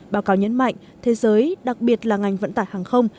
báo cáo nhấn mạnh thế giới đặc biệt là ngành vận tải hàng không